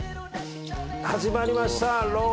始まりました。